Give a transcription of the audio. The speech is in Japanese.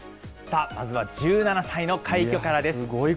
まずは１７歳の快挙からです。